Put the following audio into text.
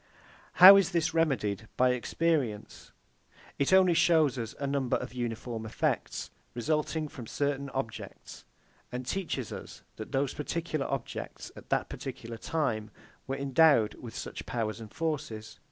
How is this remedied by experience? It only shows us a number of uniform effects, resulting from certain objects, and teaches us that those particular objects, at that particular time, were endowed with such powers and forces.